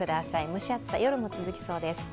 蒸し暑さは夜も続きそうです。